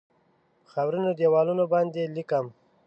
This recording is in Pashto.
پر خاورینو دیوالونو باندې لیکم